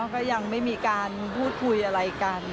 ก็ยังไม่มีการพูดคุยอะไรกัน